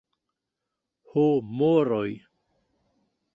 Ho, moroj!